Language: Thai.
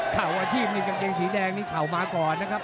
อาชีพนี่กางเกงสีแดงนี่เข่ามาก่อนนะครับ